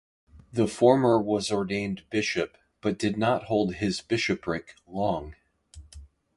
The former was ordained bishop, but did not hold his bishopric long.